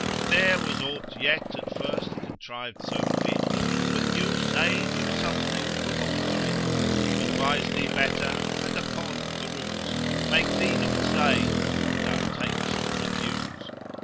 Ne'er was ought yet at first contriv'd so fit, But use, age, or something would alter it; Advise thee better, and, upon peruse, Make thee not say, and what thou tak'st refuse.